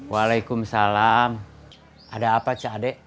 waalaikumsalam ada apa cak adek